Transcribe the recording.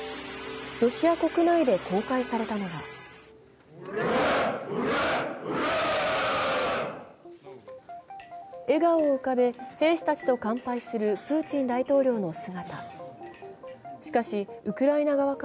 ロシア国内で公開されたのは笑顔を浮かべ、兵士たちと乾杯するプーチン大統領の姿。